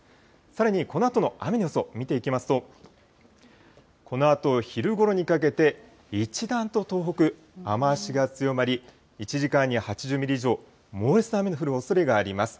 さらにこのあとの雨の予想を見ていきますと、このあと昼ごろにかけて、一段と東北、雨足が強まり、１時間に８０ミリ以上、猛烈な雨の降るおそれがあります。